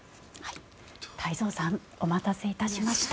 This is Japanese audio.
太蔵さんお待たせいたしました。